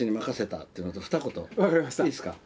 いいっすか？